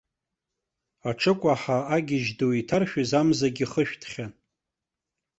Аҽыкәаҳа агьежь ду иҭаршәыз амзагьы хышәҭхьан.